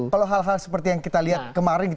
kalau hal hal seperti yang kita lihat kemarin